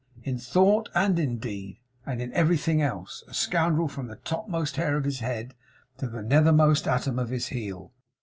'In thought, and in deed, and in everything else. A scoundrel from the topmost hair of his head, to the nethermost atom of his heel.